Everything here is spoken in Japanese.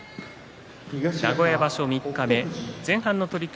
名古屋場所前半の取組